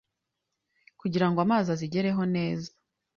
kugira ngo amazi azigereho neza